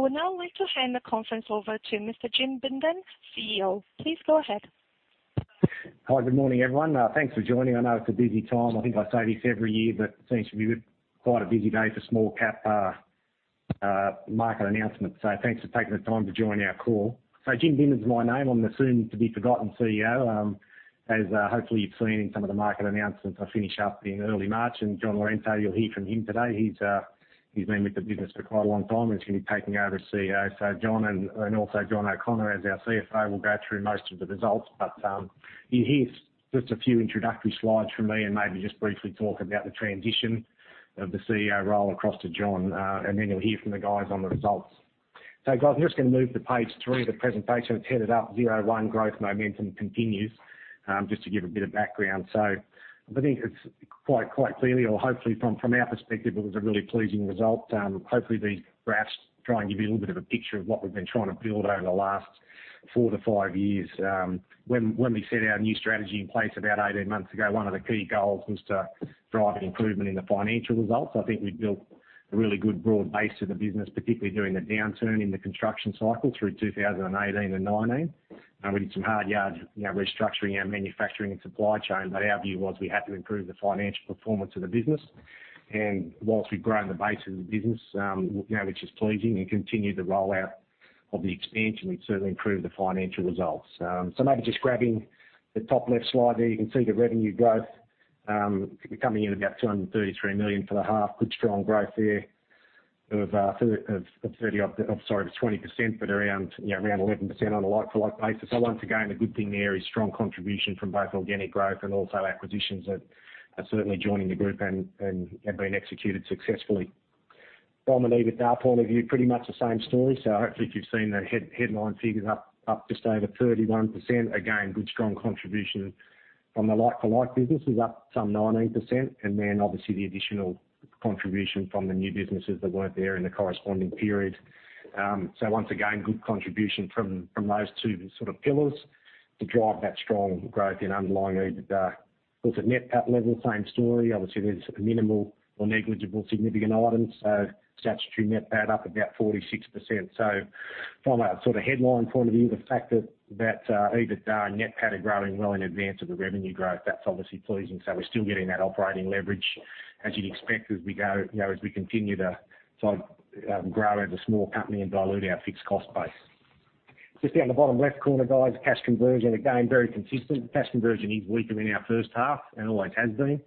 I would now like to hand the conference over to Mr. Jim Bindon, CEO. Please go ahead. Hi. Good morning, everyone. Thanks for joining. I know it's a busy time. I think I say this every year, but seems to be quite a busy day for small cap market announcements. Thanks for taking the time to join our call. Jim Bindon is my name. I'm the soon to be forgotten CEO. As hopefully you've seen in some of the market announcements, I finish up in early March, and John Lorente, you'll hear from him today. He's been with the business for quite a long time, and he's gonna be taking over as CEO. John and also John O'Connor as our CFO will go through most of the results. You hear just a few introductory slides from me and maybe just briefly talk about the transition of the CEO role across to John, and then you'll hear from the guys on the results. Guys, I'm just gonna move to page three of the presentation. It's headed up 'Zero One Growth Momentum Continues,' just to give a bit of background. I think it's quite clearly or hopefully from our perspective, it was a really pleasing result. Hopefully, these graphs try and give you a little bit of a picture of what we've been trying to build over the last four to five years. When we set our new strategy in place about 18 months ago, one of the key goals was to drive improvement in the financial results. I think we've built a really good broad base to the business, particularly during the downturn in the construction cycle through 2018 and 2019. We did some hard yard, you know, restructuring our manufacturing and supply chain, but our view was we had to improve the financial performance of the business. Whilst we've grown the base of the business, you know, which is pleasing, and continued the rollout of the expansion, we've certainly improved the financial results. Maybe just grabbing the top left slide there, you can see the revenue growth, coming in about 233 million for the half. Good strong growth there of 20%, but around, you know, around 11% on a like-for-like basis. Once again, the good thing there is strong contribution from both organic growth and also acquisitions that are certainly joining the group and have been executed successfully. From an EBITDA point of view, pretty much the same story, hopefully if you've seen the headline figures up just over 31%. Again, good strong contribution from the like-for-like business is up some 19%. Then obviously the additional contribution from the new businesses that weren't there in the corresponding period. Once again, good contribution from those two sort of pillars to drive that strong growth in underlying EBITDA. Of course, at NPAT level, same story. Obviously, there's minimal or negligible significant items, statutory NPAT up about 46%. From a sort of headline point of view, the fact that EBITDA and NPAT are growing well in advance of the revenue growth, that's obviously pleasing. We're still getting that operating leverage as you'd expect as we go, you know, as we continue to sort of grow as a small company and dilute our fixed cost base. Just down the bottom left corner, guys, cash conversion, again, very consistent. Cash conversion is weaker in our first half and always has been.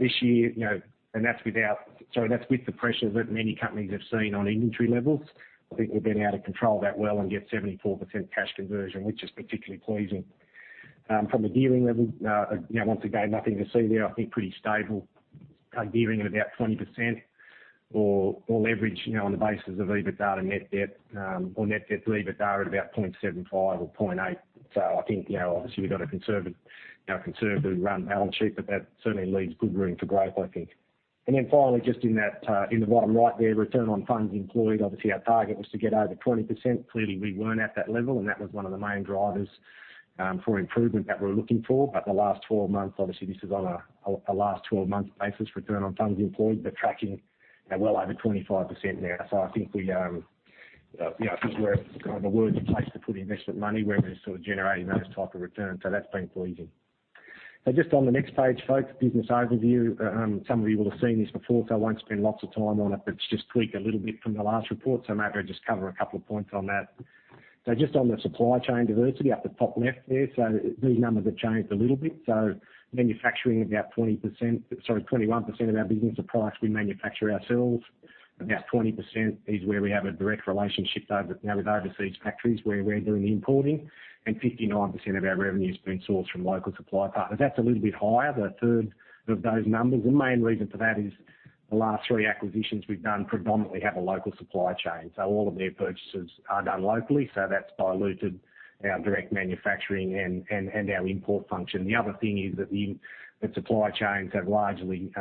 This year, you know, and that's without... Sorry, that's with the pressure that many companies have seen on inventory levels. I think we've been able to control that well and get 74% cash conversion, which is particularly pleasing. From a gearing level, you know, once again, nothing to see there. I think pretty stable. Gearing at about 20% or leverage, you know, on the basis of EBITDA to net debt, or net debt to EBITDA at about 0.75 or 0.8. I think, you know, obviously we've got a conservative, you know, conservatively run balance sheet, but that certainly leaves good room for growth, I think. Finally, just in that, in the bottom right there, Return on Funds Employed. Obviously, our target was to get over 20%. Clearly, we weren't at that level, and that was one of the main drivers for improvement that we're looking for. The last 12 months, obviously this is on a last 12 months basis Return on Funds Employed. We're tracking at well over 25% now. I think we, you know, I think we're kind of a worthy place to put investment money where we're sort of generating those type of returns. That's been pleasing. Just on the next page, folks, business overview. Some of you will have seen this before, so I won't spend lots of time on it. It's just tweaked a little bit from the last report. Maybe I'll just cover a couple of points on that. Just on the supply chain diversity up the top left there, so these numbers have changed a little bit. Manufacturing about 20%... Sorry, 21% of our business are products we manufacture ourselves. About 20% is where we have a direct relationship over, you know, with overseas factories where we're doing the importing. 59% of our revenue is being sourced from local supply partners. That's a little bit higher, the third of those numbers. The main reason for that is the last three acquisitions we've done predominantly have a local supply chain. All of their purchases are done locally, so that's diluted our direct manufacturing and our import function. The other thing is that the supply chains have largely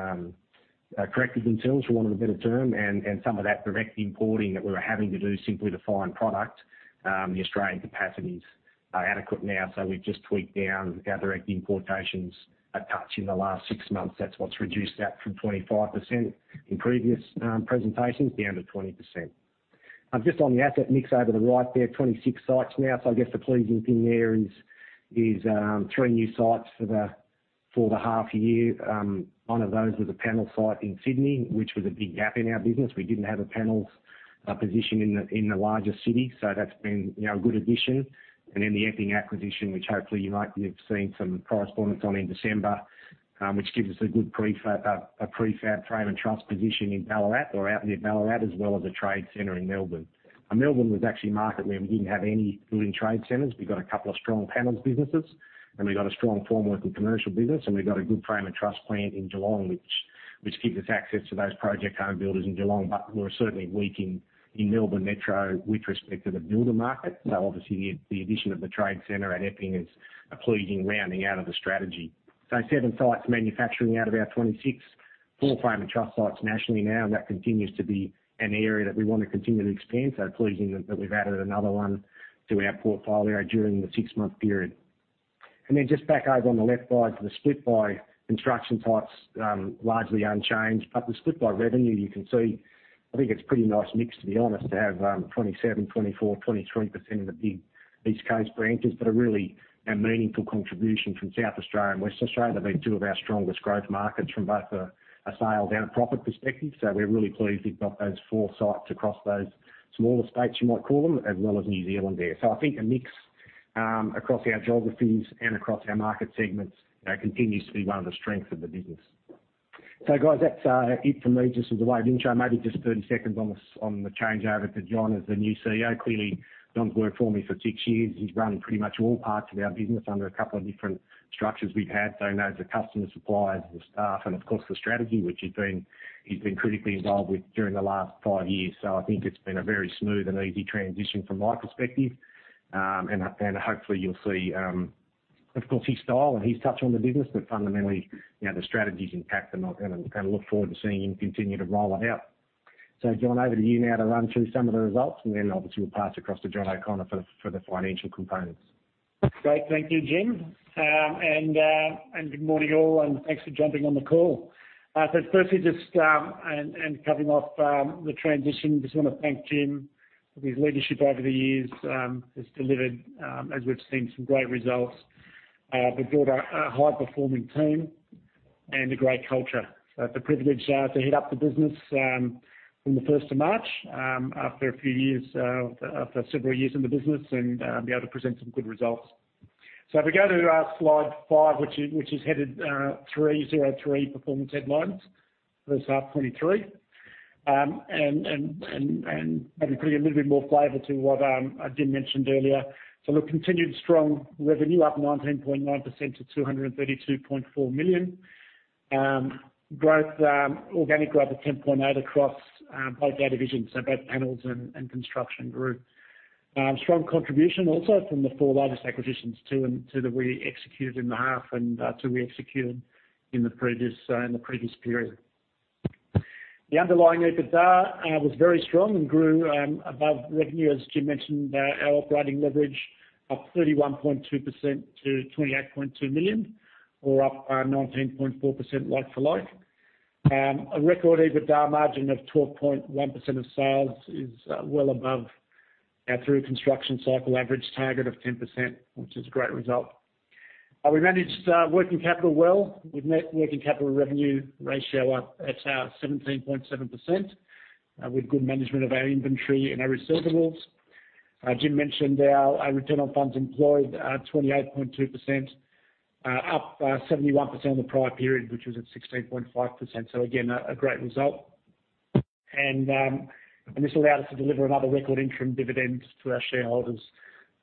corrected themselves, for want of a better term, and some of that direct importing that we were having to do simply to find product, the Australian capacities are adequate now. We've just tweaked down our direct importations a touch in the last six months. That's what's reduced that from 25% in previous presentations down to 20%. Just on the asset mix over the right there, 26 sites now. I guess the pleasing thing there is, three new sites for the half year. One of those was a Panels site in Sydney, which was a big gap in our business. We didn't have a Panels position in the largest city, so that's been, you know, a good addition. Then the Epping acquisition, which hopefully you might have seen some correspondence on in December, which gives us a good prefab, a prefab frame and truss position in Ballarat or out near Ballarat, as well as a trade center in Melbourne. Melbourne was actually a market where we didn't have any Building Trade Centres. We've got a couple of strong panels businesses, and we've got a strong formwork and commercial business, and we've got a good frame and truss plant in Geelong, which gives us access to those project home builders in Geelong. We're certainly weak in Melbourne Metro with respect to the builder market. Obviously the addition of the Trade Centre at Epping is a pleasing rounding out of the strategy. Seven sites manufacturing out of our 26. Four frame and truss sites nationally now. That continues to be an area that we want to continue to expand, so pleasing that we've added another one to our portfolio during the six-month period. Just back over on the left side to the split by construction types, largely unchanged. The split by revenue, you can see, I think it's pretty nice mix, to be honest, to have, 27%, 24%, 23% of the big East Coast branches, but a really a meaningful contribution from South Australia and West Australia. They've been two of our strongest growth markets from both a sales and a profit perspective. We're really pleased we've got those four sites across those smaller states, you might call them, as well as New Zealand there. I think a mix across our geographies and across our market segments continues to be one of the strengths of the business. Guys, that's it from me. Just as a way of intro, maybe just 30 seconds on the changeover to John as the new CEO. Clearly, John's worked for me for six years. He's run pretty much all parts of our business under a couple of different structures we've had. He knows the customer suppliers, the staff, and of course, the strategy, which he's been critically involved with during the last five years. I think it's been a very smooth and easy transition from my perspective. Hopefully, you'll see, of course, his style and his touch on the business, but fundamentally, you know, the strategy's intact and I look forward to seeing him continue to roll it out. John, over to you now to run through some of the results, and then obviously, we'll pass across to John O'Connor for the financial components. Great. Thank you, Jim. Good morning, all, and thanks for jumping on the call. Firstly, just and capping off the transition, just wanna thank Jim for his leadership over the years, has delivered, as we've seen, some great results. We've built a high-performing team and a great culture. I have the privilege to head up the business from the 1st of March, after a few years, after several years in the business and be able to present some good results. If we go to slide five, which is headed 303 performance headlines for 1st half 2023. Maybe putting a little bit more flavor to what Jim mentioned earlier. Look, continued strong revenue up 19.9% to 232.4 million. growth, organic growth of 10.8% across both our divisions, so both Panels and Construction grew. strong contribution also from the four largest acquisitions too, and two that we executed in the 2.5. We executed in the previous in the previous period. The underlying EBITDA was very strong and grew above revenue. As Jim mentioned, our operating leverage up 31.2% to 28.2 million or up 19.4% like for like. a record EBITDA margin of 12.1% of sales is well above our through construction cycle average target of 10%, which is a great result. We managed working capital well with net working capital revenue ratio up at 17.7%, with good management of our inventory and our receivables. Jim mentioned our Return on Funds Employed, 28.2%, up 71% on the prior period, which was at 16.5%. Again, a great result. This allowed us to deliver another record interim dividend to our shareholders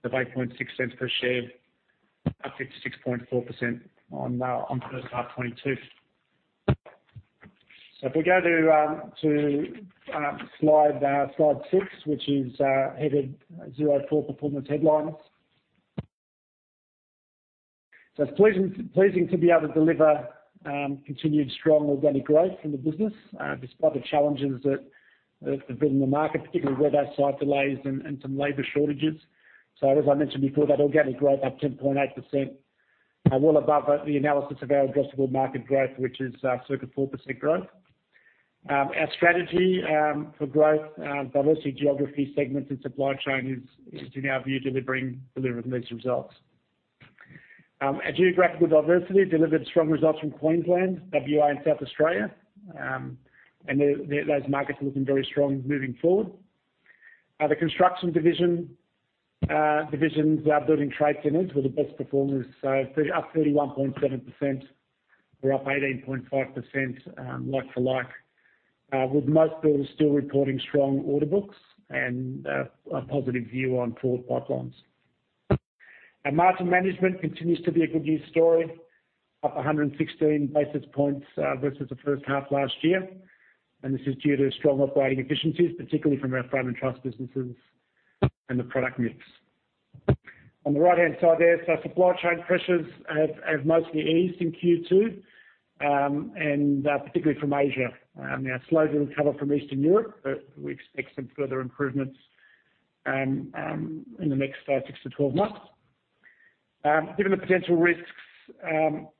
of 0.086 per share, up 56.4% on first half 2022. If we go to slide six, which is headed Zero Four Performance Headlines. It's pleasing to be able to deliver continued strong organic growth from the business despite the challenges that have been in the market, particularly weather site delays and some labor shortages. As I mentioned before, that organic growth up 10.8% are well above the analysis of our addressable market growth, which is circa 4% growth. Our strategy for growth, diversity, geography, segments and supply chain is in our view, delivering these results. Our geographical diversity delivered strong results from Queensland, WA, and South Australia. And those markets are looking very strong moving forward. The Construction Division, divisions, our Building Trade Centres were the best performers, up 31.7% or up 18.5%, like for like, with most builders still reporting strong order books and a positive view on forward pipelines. Our margin management continues to be a good news story, up 116 basis points versus the first half last year. This is due to strong operating efficiencies, particularly from our frame and truss businesses and the product mix. On the right-hand side there, supply chain pressures have mostly eased in Q2, and particularly from Asia. Our slow data will cover from Eastern Europe, but we expect some further improvements in the next 6-12 months. Given the potential risks,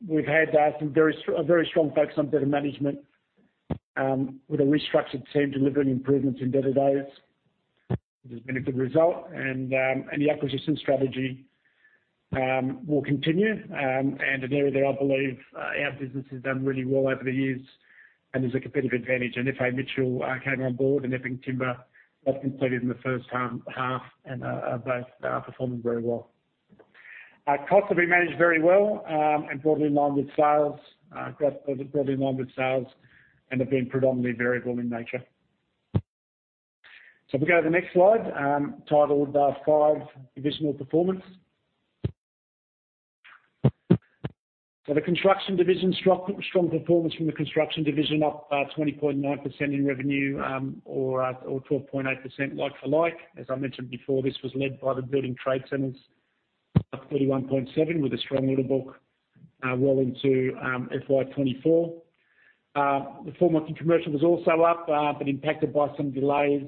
we've had a very strong focus on debt management, with a restructured team delivering improvements in debtor days, which has been a good result. The acquisition strategy will continue. An area that I believe our business has done really well over the years and is a competitive advantage. FA Mitchell came on board, Epping Timber was completed in the first half, are both performing very well. Our costs have been managed very well, broadly in line with sales, cost broadly in line with sales and have been predominantly variable in nature. If we go to the next slide, titled Five Divisional Performance. The Construction Division struck strong performance from the Construction Division up 20.9% in revenue, or 12.8% like for like. As I mentioned before, this was led by the Building Trade Centres, up 31.7% with a strong order book well into FY24. The formwork and commercial was also up, but impacted by some delays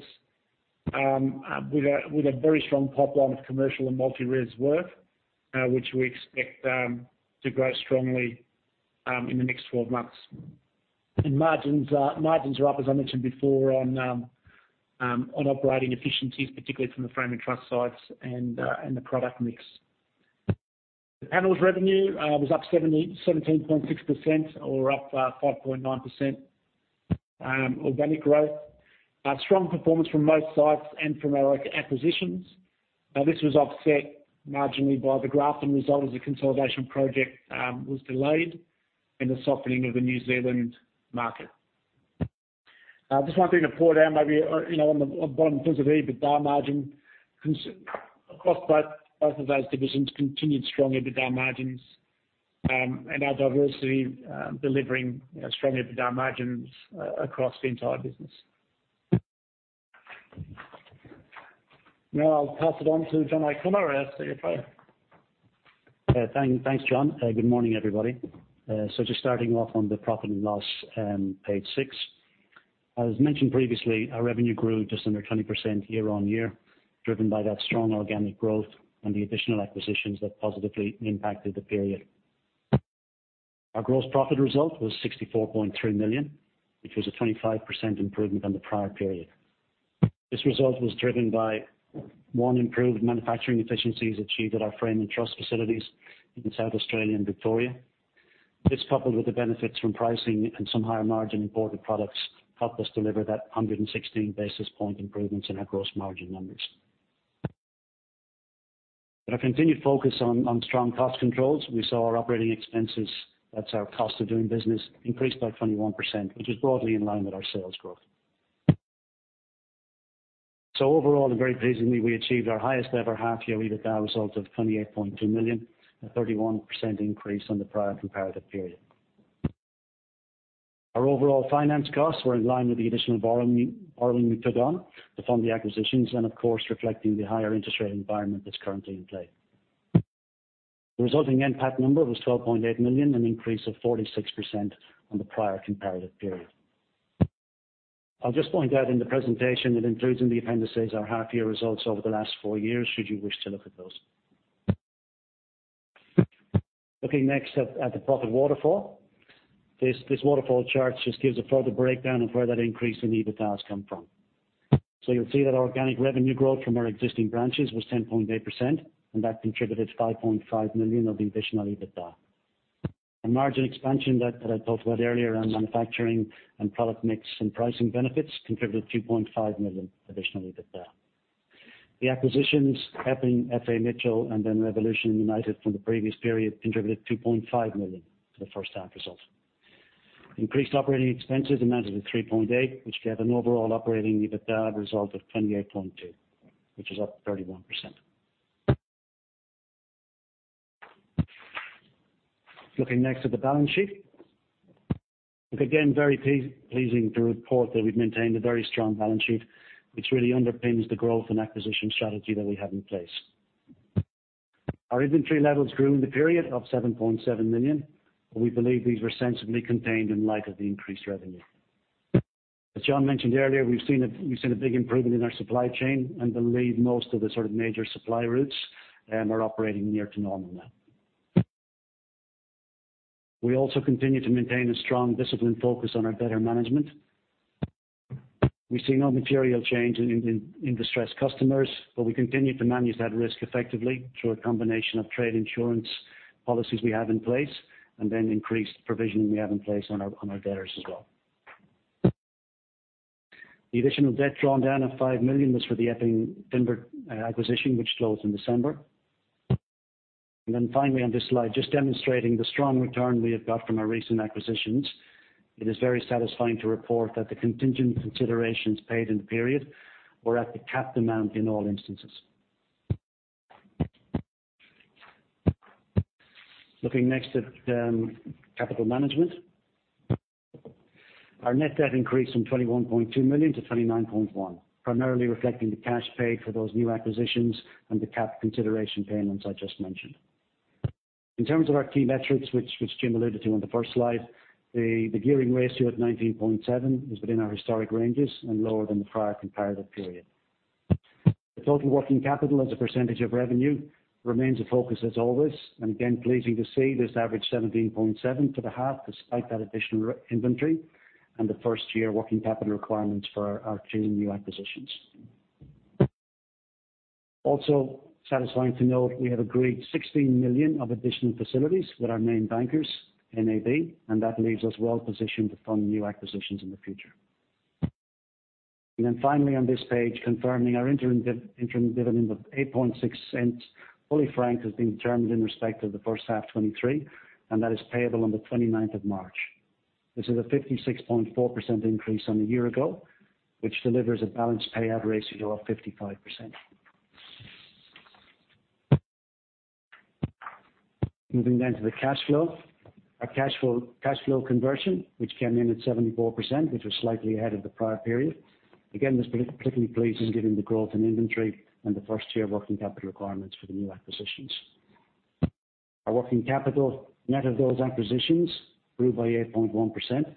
with a very strong pipeline of commercial and multi-res work, which we expect to grow strongly in the next 12 months. Margins are up, as I mentioned before, on operating efficiencies, particularly from the frame and truss sites and the product mix. The Panels revenue was up 17.6% or up 5.9% organic growth. A strong performance from most sites and from our acquisitions. This was offset marginally by the Grafton result as the consolidation project was delayed and the softening of the New Zealand market. Just one thing to point out maybe, you know, on bottom in terms of EBITDA margin across both of those divisions continued strong EBITDA margins, and our diversity delivering, you know, strong EBITDA margins across the entire business. I'll pass it on to John Lorente. Thanks John. Good morning, everybody. Just starting off on the profit and loss, page six. As mentioned previously, our revenue grew just under 20% year-over-year, driven by that strong organic growth and the additional acquisitions that positively impacted the period. Our gross profit result was 64.3 million, which was a 25% improvement on the prior period. This result was driven by, one, improved manufacturing efficiencies achieved at our frame and truss facilities in South Australia and Victoria. This, coupled with the benefits from pricing and some higher margin imported products, helped us deliver that 116 basis point improvements in our gross margin numbers. With a continued focus on strong cost controls, we saw our operating expenses, that's our cost of doing business, increase by 21%, which is broadly in line with our sales growth. Overall and very pleasingly, we achieved our highest ever half-year EBITDA result of 28.2 million, a 31% increase on the prior comparative period. Our overall finance costs were in line with the additional borrowing we took on to fund the acquisitions and of course reflecting the higher interest rate environment that's currently in play. The resulting NPAT number was 12.8 million, an increase of 46% on the prior comparative period. I'll just point out in the presentation that includes in the appendices our half-year results over the last four years, should you wish to look at those. Looking next at the profit waterfall. This waterfall chart just gives a further breakdown of where that increase in EBITDA has come from. You'll see that organic revenue growth from our existing branches was 10.8%, and that contributed 5.5 million of the additional EBITDA. A margin expansion that I talked about earlier around manufacturing and product mix and pricing benefits contributed 2.5 million additional EBITDA. The acquisitions, Epping, FA Mitchell and then Revolution United from the previous period contributed 2.5 million to the first half results. Increased operating expenses amounted to 3.8 million, which gave an overall operating EBITDA result of 28.2 million, which is up 31%. Looking next at the balance sheet. Again, very pleasing to report that we've maintained a very strong balance sheet, which really underpins the growth and acquisition strategy that we have in place. Our inventory levels grew in the period of 7.7 million. We believe these were sensibly contained in light of the increased revenue. As John mentioned earlier, we've seen a big improvement in our supply chain and believe most of the sort of major supply routes are operating near to normal now. We also continue to maintain a strong disciplined focus on our debtor management. We see no material change in distressed customers, but we continue to manage that risk effectively through a combination of trade insurance policies we have in place and then increased provisioning we have in place on our debtors as well. The additional debt drawn down of 5 million was for the Epping Timber acquisition, which closed in December. Finally on this slide, just demonstrating the strong return we have got from our recent acquisitions. It is very satisfying to report that the contingent considerations paid in the period were at the cap amount in all instances. Looking next at capital management. Our net debt increased from 21.2 million-29.1 million, primarily reflecting the cash paid for those new acquisitions and the cap consideration payments I just mentioned. In terms of our key metrics, which Jim alluded to on the first slide, the gearing ratio at 19.7% is within our historic ranges and lower than the prior comparative period. The total working capital as a percentage of revenue remains a focus as always, again, pleasing to see this average 17.7 to the half despite that additional inventory and the first-year working capital requirements for our two new acquisitions. Also satisfying to note, we have agreed 16 million of additional facilities with our main bankers, NAB, that leaves us well positioned to fund new acquisitions in the future. Finally on this page, confirming our interim dividend of 0.086 fully frank has been determined in respect of the first half 2023, that is payable on the 29th of March. This is a 56.4% increase on a year ago, which delivers a balanced payout ratio of 55%. Moving to the cash flow. Our cash flow, cash flow conversion, which came in at 74%, which was slightly ahead of the prior period. This is particularly pleasing given the growth in inventory and the first year working capital requirements for the new acquisitions. Our working capital net of those acquisitions grew by 8.1%,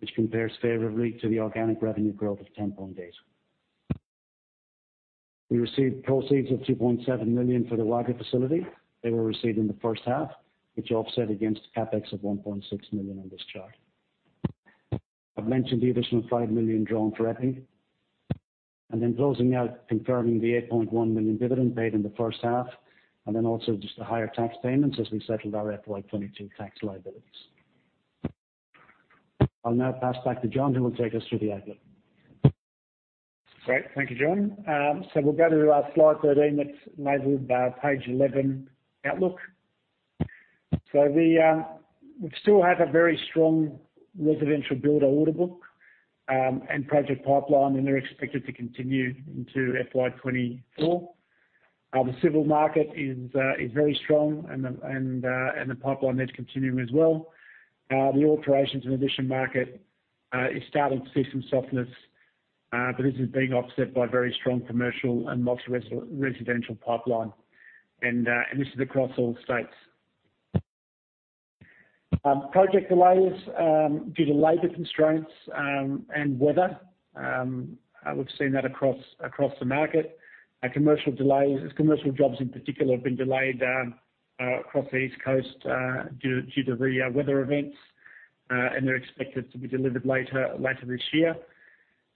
which compares favorably to the organic revenue growth of 10.8%. We received proceeds of $2.7 million for the Wagga facility. They were received in the first half, which offset against CapEx of $1.6 million on this chart. I've mentioned the additional $5 million drawn for Epping. Closing out, confirming the $8.1 million dividend paid in the first half also just the higher tax payments as we settled our FY22 tax liabilities. I'll now pass back to John, who will take us through the outlook. Great. Thank you, John. We'll go to our slide 13 that's labeled, page 11, outlook. We still have a very strong residential builder order book, and project pipeline, and they're expected to continue into FY24. The civil market is very strong and the pipeline there's continuing as well. The alterations and addition market is starting to see some softness, but this is being offset by very strong commercial and multi-residential pipeline. This is across all states. Project delays, due to labor constraints, and weather. We've seen that across the market. Commercial jobs in particular have been delayed, across the East Coast, due to the weather events, and they're expected to be delivered later this year.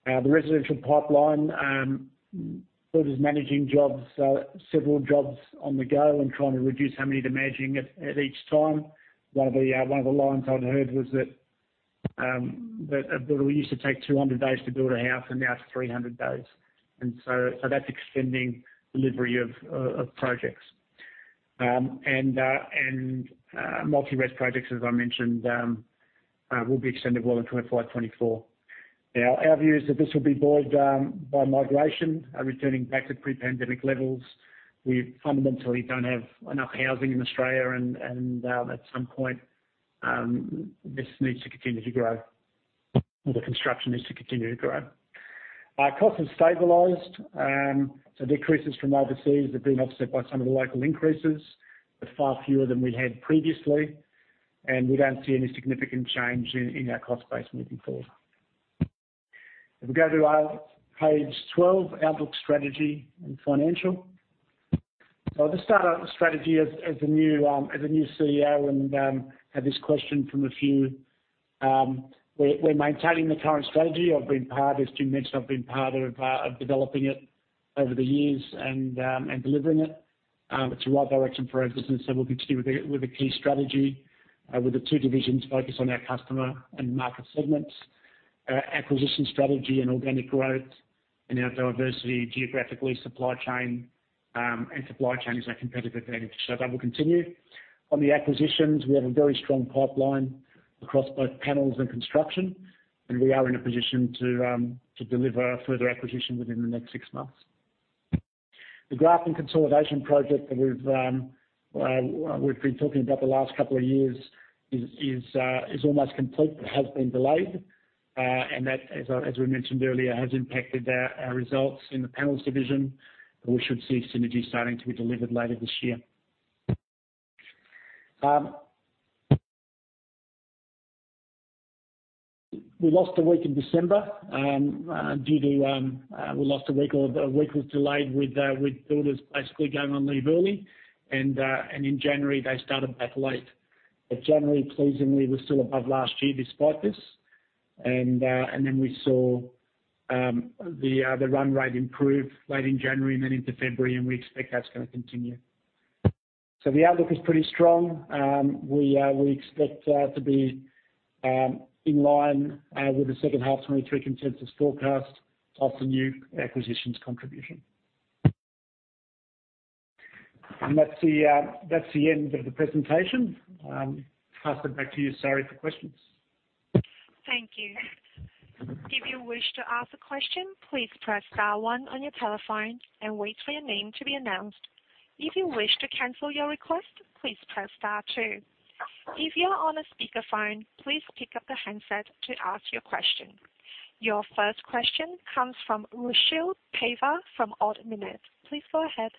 The residential pipeline, builders managing jobs, several jobs on the go and trying to reduce how many they're managing at each time. One of the lines I'd heard was that a builder used to take 200 days to build a house and now it's 300 days. That's extending delivery of projects. Multi-res projects, as I mentioned, will be extended well into FY24. Our view is that this will be buoyed by migration returning back to pre-pandemic levels. We fundamentally don't have enough housing in Australia, at some point, this needs to continue to grow, or the construction needs to continue to grow. Our costs have stabilized. Decreases from overseas have been offset by some of the local increases, but far fewer than we had previously. We don't see any significant change in our cost base moving forward. If we go to page 12, outlook strategy and financial. I'll just start on the strategy as the new CEO and had this question from a few. We're maintaining the current strategy. I've been part, as Jim mentioned, I've been part of developing it over the years and delivering it. It's the right direction for our business. We'll continue with the key strategy with the two divisions focused on our customer and market segments. Acquisition strategy and organic growth and our diversity geographically, supply chain, and supply chain is our competitive advantage. That will continue. On the acquisitions, we have a very strong pipeline across both Panels and Construction, and we are in a position to deliver further acquisition within the next six months. The graph and consolidation project that we've been talking about the last couple of years is almost complete. It has been delayed, and that, as we mentioned earlier, has impacted our results in the Panels Division. We should see synergy starting to be delivered later this year. We lost a week in December due to we lost a week or the week was delayed with builders basically going on leave early and in January, they started back late. January, pleasingly, was still above last year despite this. Then we saw the run rate improve late in January and then into February, we expect that's gonna continue. The outlook is pretty strong. We expect to be in line with the second half 2023 consensus forecast of the new acquisitions contribution. That's the end of the presentation. Pass it back to you, Sari, for questions. Thank you. If you wish to ask a question, please press star one on your telephone and wait for your name to be announced. If you wish to cancel your request, please press star two. If you're on a speakerphone, please pick up the handset to ask your question. Your first question comes from Rushil Paiva from Ord Minnett. Please go ahead.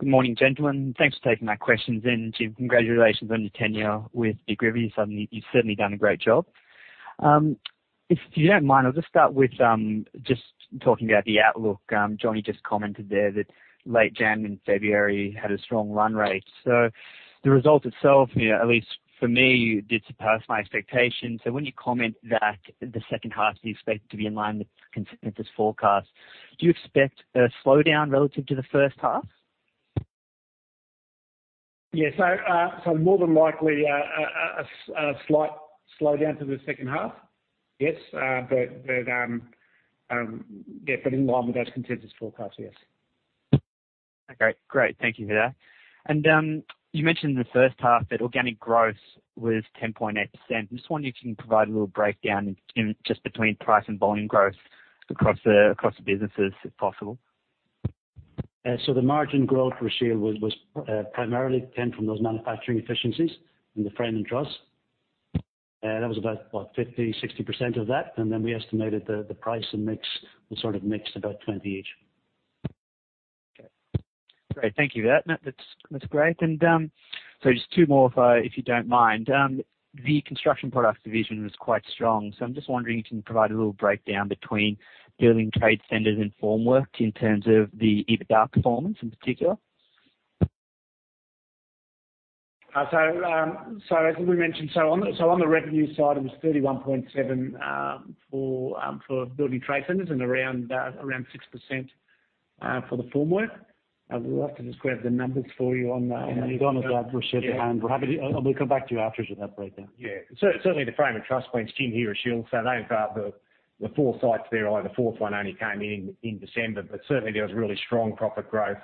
Good morning, gentlemen. Thanks for taking my questions. Jim, congratulations on your tenure with Big River. You've certainly done a great job. If you don't mind, I'll just start with just talking about the outlook. John, you just commented there that late January and February had a strong run rate. The result itself, you know, at least for me, did surpass my expectations. When you comment that the second half you expect to be in line with consensus forecast, do you expect a slowdown relative to the first half? Yeah. more than likely, a slight slowdown for the second half. Yes. yeah, but in line with those consensus forecasts, yes. Okay, great. Thank you for that. You mentioned in the first half that organic growth was 10.8%. I'm just wondering if you can provide a little breakdown between price and volume growth across the businesses, if possible. The margin growth, Rushil, was primarily came from those manufacturing efficiencies in the frame and truss. That was about, what, 50%-60% of that? Then we estimated the price and mix was sort of mixed about 20 each. Okay. Great. Thank you for that. No, that's great. Just two more if you don't mind. The construction products division was quite strong, I'm just wondering if you can provide a little breakdown between Building Trade Centres and formwork in terms of the EBITDA performance in particular. As we mentioned, on the revenue side it was 31.7, for Building Trade Centres and around 6%, for the formwork. We'll have to just grab the numbers for you on that. On top of that, Rushil, we'll come back to you afterwards with that breakdown. Yeah. Certainly the frame and truss points, Jim here at Shield, they've got the four sites there. The fourth one only came in December, but certainly there was really strong profit growth,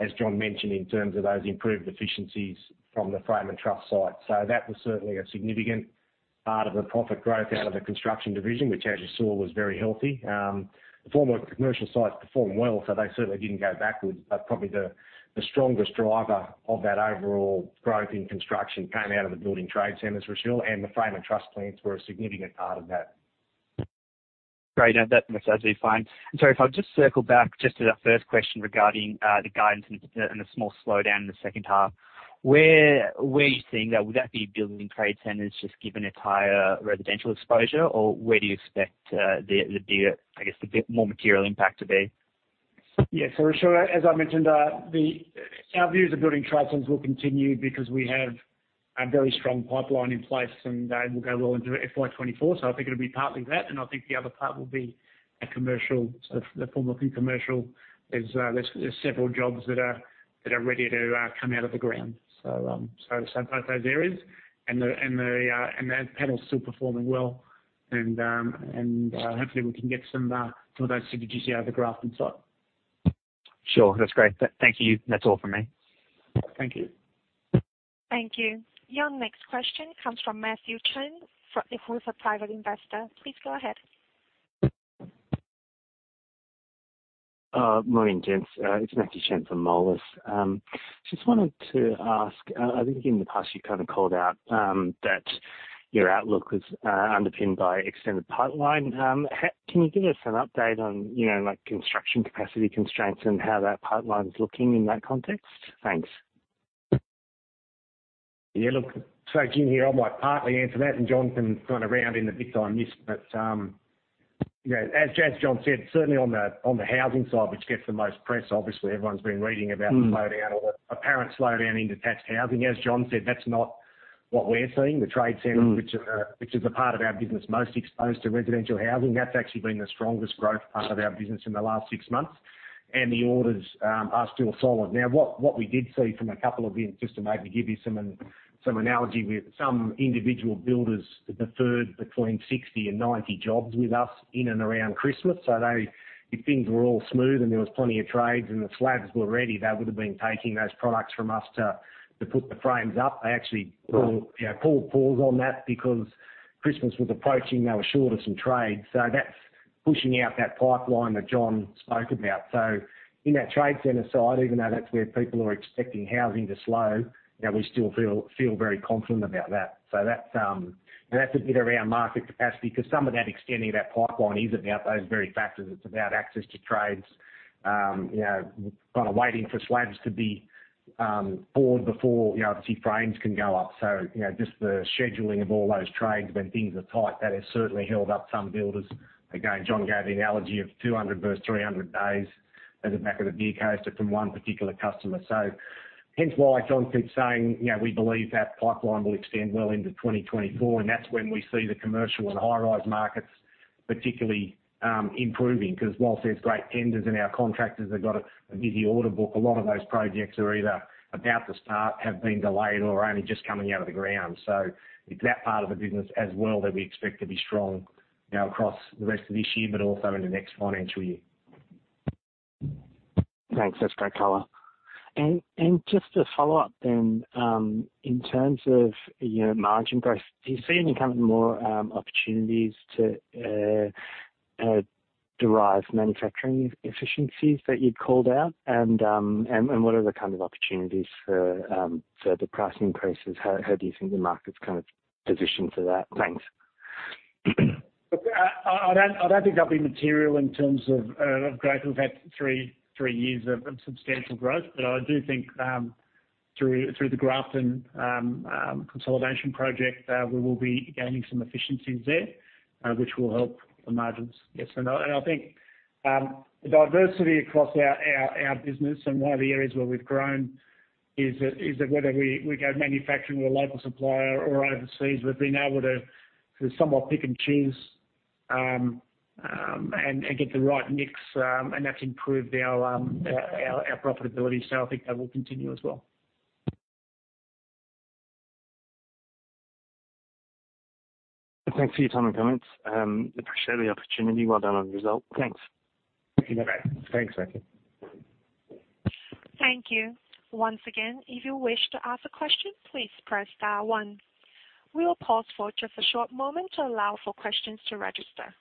as John mentioned, in terms of those improved efficiencies from the frame and truss site. That was certainly a significant part of the profit growth out of the Construction Division, which as you saw was very healthy. The formwork commercial sites performed well, so they certainly didn't go backwards. Probably the strongest driver of that overall growth in construction came out of the Building Trade Centres, Rushil, and the frame and truss plants were a significant part of that. Great. No, that message is fine. Sorry, if I could just circle back just to that first question regarding the guidance and the small slowdown in the second half. Where are you seeing that? Would that be Building Trade Centres just given its higher residential exposure or where do you expect the, I guess, the more material impact to be? Yeah. Rushil, as I mentioned, Our views of Building Trade Centres will continue because we have a very strong pipeline in place and we'll go well into FY24. I think it'll be partly that. I think the other part will be a commercial, so the formwork and commercial is there's several jobs that are ready to come out of the ground. Both those areas and the Panels still performing well. Hopefully we can get some of those to the GC out of the Grafton site. Sure. That's great. Thank you. That's all from me. Thank you. Thank you. Your next question comes from Matthew Chen who's a Private Investor. Please go ahead. Morning, gents. It's Matthew Chen from Moelis. Just wanted to ask, I think in the past you kind of called out that your outlook was underpinned by extended pipeline. Can you give us an update on, you know, like construction capacity constraints and how that pipeline's looking in that context? Thanks. Yeah, look, Jim here, I might partly answer that and John can kind of round in a bit on this, but, you know, as John said, certainly on the, on the housing side, which gets the most press, obviously everyone's been reading about... Mm. the slowdown or the apparent slowdown in detached housing. As John said, that's not what we're seeing. The Trade Centres- Mm. which are, which is the part of our business most exposed to residential housing, that's actually been the strongest growth part of our business in the last six months. The orders are still solid. What we did see from a couple of the. Just to maybe give you some analogy with some individual builders deferred between 60 and 90 jobs with us in and around Christmas. They, if things were all smooth and there was plenty of trades and the slabs were ready, they would've been taking those products from us to put the frames up. They actually pulled. Mm. you know, paused on that because Christmas was approaching. They were short of some trades. That's pushing out that pipeline that John spoke about. In that trade center side, even though that's where people are expecting housing to slow, you know, we still feel very confident about that. That's, and that's a bit around market capacity 'cause some of that extending of our pipeline is about those very factors. It's about access to trades, you know, kind of waiting for slabs to be poured before, you know, obviously frames can go up. You know, just the scheduling of all those trades when things are tight, that has certainly held up some builders. Again, John gave the analogy of 200 versus 300 days as at back of the Newco from one particular customer. Hence why John keeps saying, you know, we believe that pipeline will extend well into 2024, and that's when we see the commercial and high rise markets particularly improving. Whilst there's great tenders and our contractors have got a busy order book, a lot of those projects are either about to start, have been delayed, or are only just coming out of the ground. It's that part of the business as well that we expect to be strong, you know, across the rest of this year, but also in the next financial year. Thanks. That's great color. Just to follow up then, in terms of, you know, margin growth, do you see any kind of more opportunities to derive manufacturing efficiencies that you'd called out? What are the kind of opportunities for the price increases? How do you think the market's kind of positioned for that? Thanks. Look, I don't think they'll be material in terms of growth. We've had three years of substantial growth. I do think through the Grafton consolidation project, we will be gaining some efficiencies there, which will help the margins. I think the diversity across our business and one of the areas where we've grown is that whether we go manufacturing with a local supplier or overseas, we've been able to somewhat pick and choose and get the right mix, and that's improved our profitability. I think that will continue as well. Thanks for your time and comments. Appreciate the opportunity. Well done on the result. Thanks. Okay. Thanks, Matthew. Thank you. Once again, if you wish to ask a question, please press star one. We'll pause for just a short moment to allow for questions to register.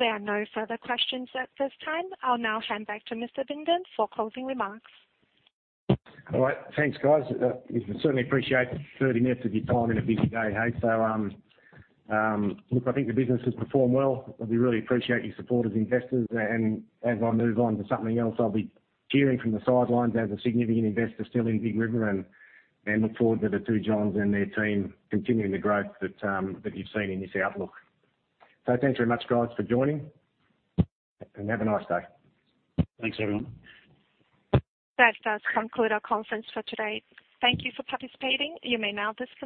There are no further questions at this time. I'll now hand back to Mr. Bindon for closing remarks. All right. Thanks, guys. We certainly appreciate 30 minutes of your time in a busy day, hey. Look, I think the business has performed well. We really appreciate your support as investors. As I move on to something else, I'll be cheering from the sidelines as a significant investor still in Big River and look forward to the two Johns and their team continuing the growth that you've seen in this outlook. Thanks very much guys for joining, and have a nice day. Thanks, everyone. That does conclude our conference for today. Thank Thank you for participating. You may now disconnect.